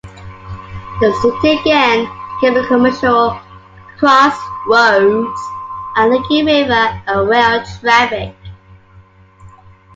The city again became a commercial crossroads, linking river and rail traffic.